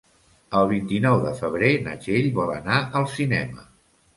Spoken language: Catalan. El vint-i-nou de febrer na Txell vol anar al cinema.